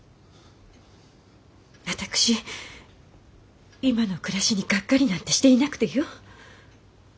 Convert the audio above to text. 私今の暮らしにがっかりなんてしていなくてよ。